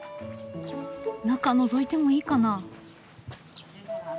中のぞいてもいいかな。